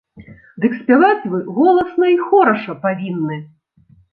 Дык спяваць вы голасна й хораша павінны.